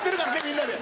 みんなで。